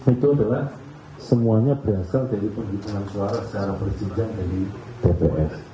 itu adalah semuanya berasal dari perlindungan suara secara persenjataan dari tps